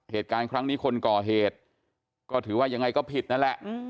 เหตุการณ์ครั้งนี้คนก่อเหตุก็ถือว่ายังไงก็ผิดนั่นแหละ